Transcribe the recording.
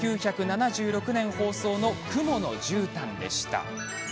１９７６年放送の「雲のじゅうたん」でした。